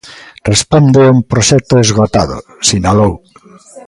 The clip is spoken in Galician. "Responde a un proxecto esgotado", sinalou.